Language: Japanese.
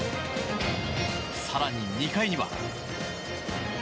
更に、２回には。